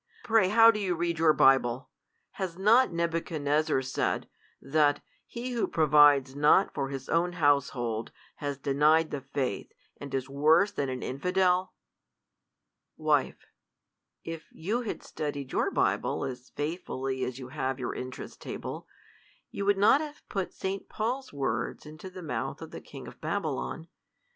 Pray how do you read your Bible ? Has not Nebuchadnezzar said, that '' He, who provides not for his own household, has denied the faith, and is worse than an infidel ?" Wife, If you had studied your Bible as faithfully as you have your interest table, you would not have put St. Paul's words into the mouth of the king of Babylon.